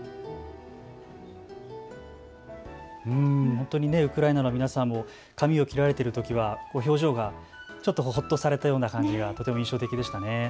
本当にウクライナの皆さんも髪を切られているときは表情がちょっとほっとされたような感じがとても印象的でしたね。